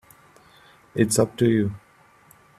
It's up to you.